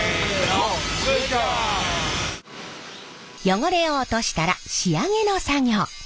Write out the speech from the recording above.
汚れを落としたら仕上げの作業。